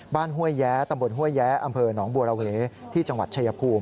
ห้วยแย้ตำบลห้วยแย้อำเภอหนองบัวระเวที่จังหวัดชายภูมิ